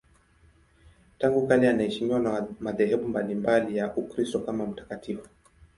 Tangu kale anaheshimiwa na madhehebu mbalimbali ya Ukristo kama mtakatifu.